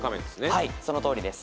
はいそのとおりです。